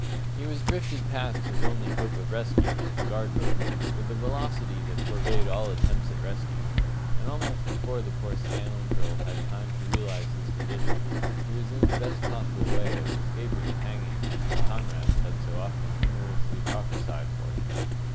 He was drifted past his only hope of rescue the guard boat with a velocity that forbade all attempts at rescue, and almost before the poor scoundrel had time to realize his condition, he was in the best possible way of escaping the hanging that his comrades had so often humorously prophesied for him.